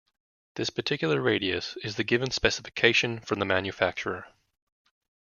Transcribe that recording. This particular radius is the given specification from the manufacturer.